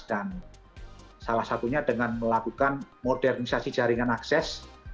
dan salah satunya dengan melakukan modernisasi jaringan akses